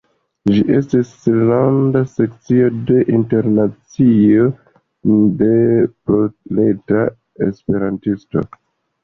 Ĝi estis landa sekcio de Internacio de Proleta Esperantistaro.